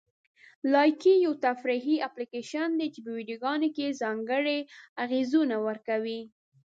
لایکي یو تفریحي اپلیکیشن دی چې په ویډیوګانو کې ځانګړي اغېزونه ورکوي.